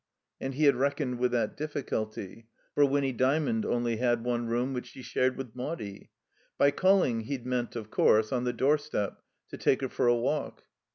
And he had reckoned with that difficulty ; for Winny Djrmond only had one room which she shared with Maudie. By calling, he'd meant, of course, on the doorstep, to take her for a walk.